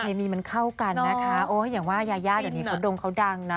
เคมีมันเข้ากันนะคะโอ้อย่างว่ายายาเดี๋ยวนี้เขาดงเขาดังนะ